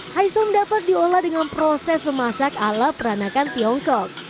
haisom dapat diolah dengan proses memasak ala peranakan tiongkok